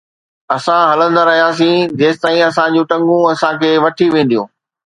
اسان هلندا رهياسين جيستائين اسان جون ٽنگون اسان کي وٺي وينديون